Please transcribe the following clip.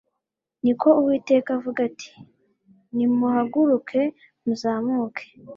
ni ko Uwiteka avuga ati Nimuhaguruke muzamuke